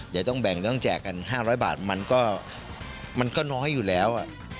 เดี๋ยวต้องแบ่งต้องแจกกัน๕๐๐บาทมันก็น้อยอยู่แล้ว